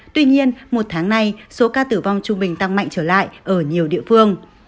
tuy nhiên một tháng nay số ca tử vong trung bình tăng mạnh trở lại ở nhiều địa phương